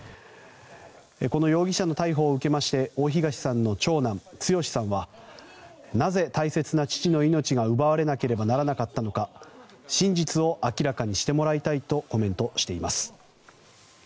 この容疑者の逮捕を受けまして大東さんの長男・剛志さんはなぜ大切な父の命が奪われなければならなかったのか真実を明らかにしてもらいたいとコメントしています。